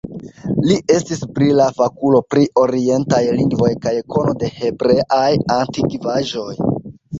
Li estis brila fakulo pri orientaj lingvoj kaj kono de hebreaj antikvaĵoj.